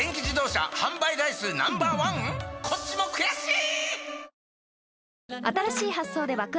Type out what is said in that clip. こっちも悔しい！